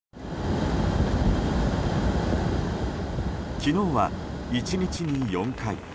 昨日は１日に４回。